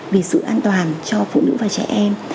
vì sự an toàn cho phụ nữ và trẻ em